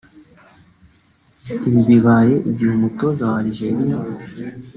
Ibi bibaye mu gihe umutoza wa Algeria